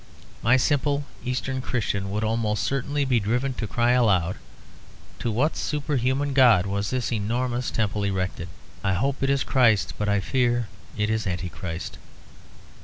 My simple Eastern Christian would almost certainly be driven to cry aloud, "To what superhuman God was this enormous temple erected? I hope it is Christ; but I fear it is Antichrist."